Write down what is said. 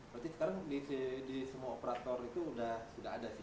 berarti sekarang di semua operator itu sudah ada sih